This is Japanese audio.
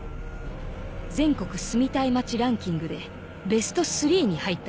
全国住みたい街ランキングでベスト３に入ったのだ。